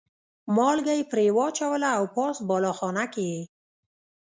مالګه یې پرې واچوله او پاس بالاخانه کې یې.